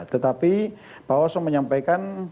tetapi pak osho menyampaikan